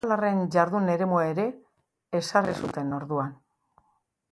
Aralarren jardun eremua ere ezarri zuten orduan.